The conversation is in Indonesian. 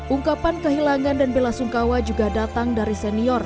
ungkapan kehilangan dan bela sungkawa juga datang dari senior